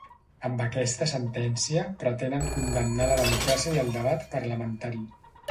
Amb aquesta sentència pretenen condemnar la democràcia i el debat parlamentari.